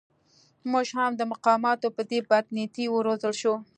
موږ هم د مقاماتو په دې بدنیتۍ و روزل شوو.